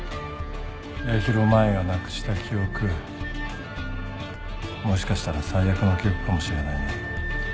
八尋舞がなくした記憶もしかしたら最悪の記憶かもしれないね。